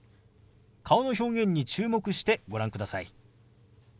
顔の表現に注目してご覧ください。